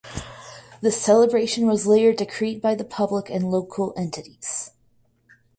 This celebration was later decried by the public and local entities.